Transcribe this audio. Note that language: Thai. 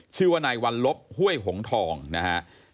ชื่อว่านายวัลลบห้วยหงทองนะฮะ